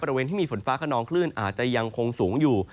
บริเวณที่มีฝนฟ้าขนองคลื่นอาจจะยังคงสูงอยู่